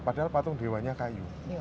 padahal patung dewa nya kayu